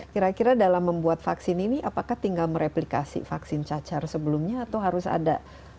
kira kira dalam membuat vaksin ini apakah tinggal mereplikasi vaksin cacar sebelumnya atau harus ada